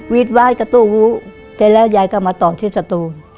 วีดว้ายก็ตู้วู้เสร็จแล้วยายก็มาต่อที่สตู